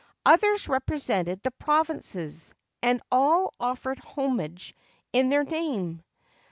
Others represented the provinces; and all offered homage in their name.